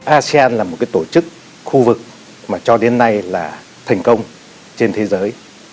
asean là một cái tổ chức khu vực mà cho đến nay là thành công trên thế giới